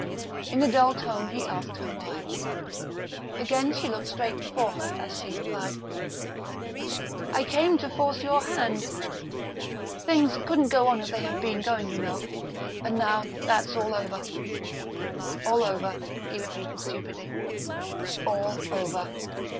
In a dull tone he asked her why. Again she looked straight before her as she replied: "I came to force your hand. Things couldn't go on as they have been going, you know; and now that's all over." "All over," he repeated stupidly. "All over.